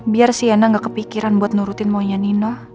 biar sienna ga kepikiran buat nurutin maunya nino